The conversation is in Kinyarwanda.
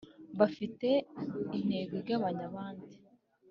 bafite intego igabanya abandi